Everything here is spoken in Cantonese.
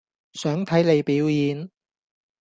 想睇你表演